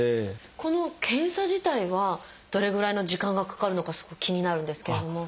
この検査自体はどれぐらいの時間がかかるのかすごく気になるんですけれども。